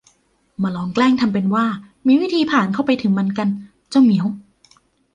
มาลองแกล้งทำเป็นว่ามีวิธีผ่านเข้าไปถึงมันกัน เจ้าเหมียว